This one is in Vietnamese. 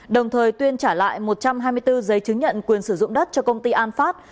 đồng thời tuyên trả lại một trăm hai mươi bốn giấy chứng nhận quyền sử dụng đất cho công ty an phát